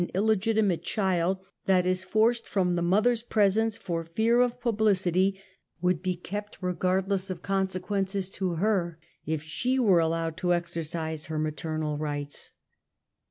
> illegitimate child that is forced from the mother's presence, for fear of publicity, would be kept regard less of consequences to her, if she were allowed to exercise her maternal rights.